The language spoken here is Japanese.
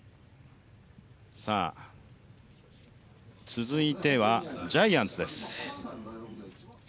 続いては、ジャイアンツです。